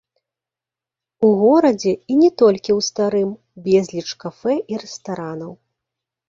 У горадзе, і не толькі ў старым, безліч кафэ і рэстаранаў.